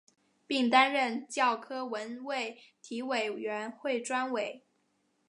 并担任教科文卫体委员会专委。